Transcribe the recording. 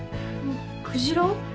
クジラ？